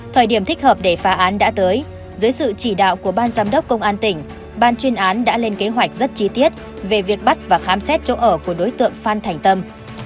thời điểm thích hợp để phá án đã tới dưới sự chỉ đạo của ban giám đốc công an tỉnh ban chuyên án đã lên kế hoạch rất chi tiết về việc bắt và khám xét chỗ ở của đối tượng phan thành tâm